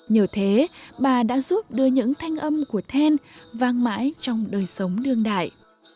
nhờ thế bà đã giúp đưa những thanh âm của then vang mãi trong đời sống đương đại